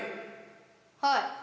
はい。